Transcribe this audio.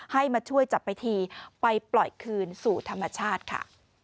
ให้มาช่วยจับไปทีไปปล่อยคืนสู่ธรรมชาติค่ะ